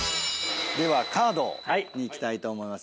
ではカードにいきたいと思います